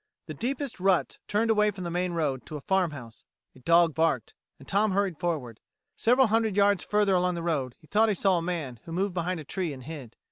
The deepest ruts turned away from the main road to a farm house: a dog barked, and Tom hurried forward. Several hundred yards further along the road, he thought he saw a man who moved behind a tree and hid.